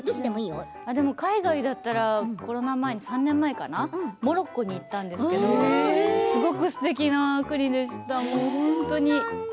海外だったらこの前３年前かなモロッコに行ったんですけどすごいすてきな国でした、本当に。